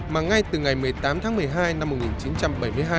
mà ngay từ ngày một mươi tám tháng một mươi hai năm một nghìn chín trăm bảy mươi hai